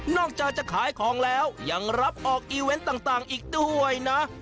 จากจะขายของแล้วยังรับออกอีเวนต์ต่างอีกด้วยนะ